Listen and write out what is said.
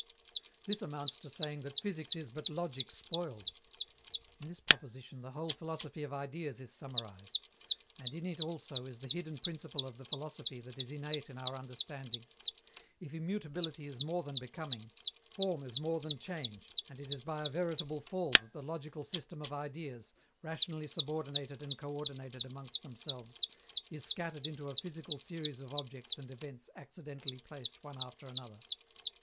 This amounts to saying that physics is but logic spoiled. In this proposition the whole philosophy of Ideas is summarized. And in it also is the hidden principle of the philosophy that is innate in our understanding. If immutability is more than becoming, form is more than change, and it is by a veritable fall that the logical system of Ideas, rationally subordinated and coördinated among themselves, is scattered into a physical series of objects and events accidentally placed one after another.